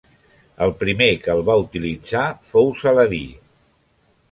El primer que el va utilitzar fou Saladí.